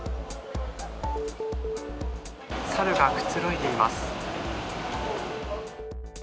サルがくつろいでいます。